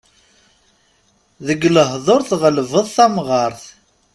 Deg lehdur tɣelbeḍ tamɣart.